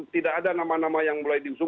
tidak ada nama nama yang mulai diusung